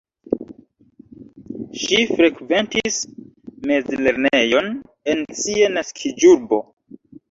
Ŝi frekventis mezlernejon en sia naskiĝurbo.